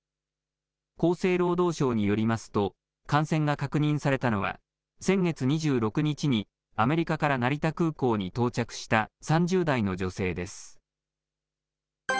厚生労働省によりますと、感染が確認されたのは、先月２６日にアメリカから成田空港に到着した３０代の女性です。